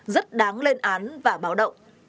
rất đáng lên án và báo động